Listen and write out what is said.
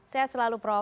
sehat selalu prof